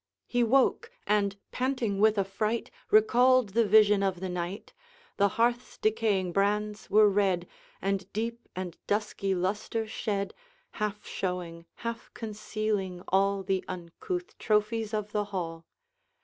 He woke, and, panting with affright, Recalled the vision of the night. The hearth's decaying brands were red And deep and dusky lustre shed, Half showing, half concealing, all The uncouth trophies of the hall.